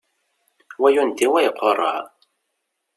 Wa yendi, wa iqureɛ.